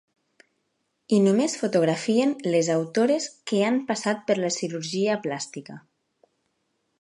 I només fotografien les autores que han passat per la cirurgia plàstica.